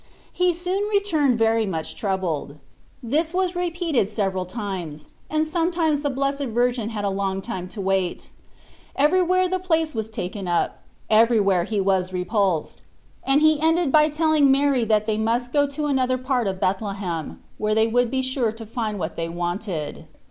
He soon returned very much troubled. This was repeated several times, and sometimes the Blessed Virgin had a long time to wait : everywhere the place was taken up, everywhere he was repulsed, and he ended by telling Mary that they ur Xorfc Sesus Gbrist. 71 must go to another part of Bethlehem, where they would be sure to find what they wanted.